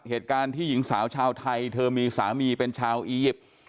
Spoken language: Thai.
เหตุการณ์ที่หญิงสาวชาวไทยเธอมีสามีเป็นชาวอียิปต์